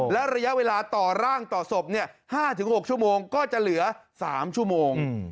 และระยะเวลาต่อร่างต่อศพ๕๖ชั่วโมงก็จะเหลือ๓ชั่วโมง